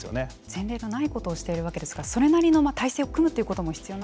前例がないことをしているわけですからそれなりの体制を組むということも必要になってきますか。